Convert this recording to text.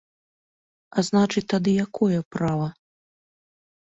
А значыць тады якое права?